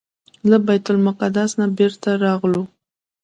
له بیت المقدس نه بیرته راغلو.